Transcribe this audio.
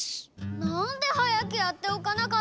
なんではやくやっておかなかったのさ？